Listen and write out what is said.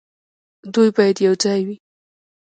دوی باید یوځای وي.